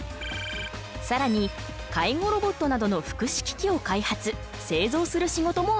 さらに介護ロボットなどの福祉機器を開発製造する仕事もある。